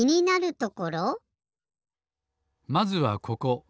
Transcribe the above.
まずはここ。